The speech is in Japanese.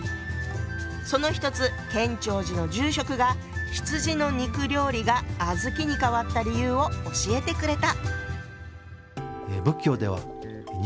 その一つ建長寺の住職が羊の肉料理が小豆に変わった理由を教えてくれた。